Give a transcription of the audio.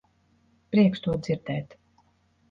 Prieks to dzirdēt.